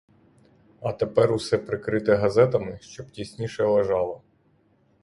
А тепер усе прикрити газетами, щоб тісніше лежало.